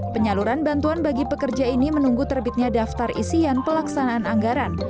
penyaluran bantuan bagi pekerja ini menunggu terbitnya daftar isian pelaksanaan anggaran